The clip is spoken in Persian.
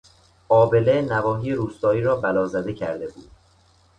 آبله نواحی روستایی را بلازده کرده بود.